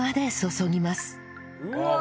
うわ！